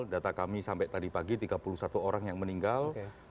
data kami sampai tadi pagi tiga puluh satu orang yang meninggal